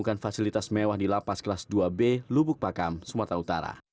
melakukan fasilitas mewah di lapas kelas dua b lubuk pakam sumatera utara